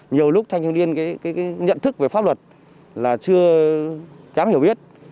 nhiều lúc thanh thiếu niên nhận thức về pháp luật là chưa kém hiểu biết